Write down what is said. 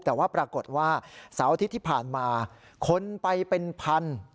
แต่ว่าปรากฏว่าเสาร์อาทิตย์ที่ผ่านมาคนไปเป็นพัน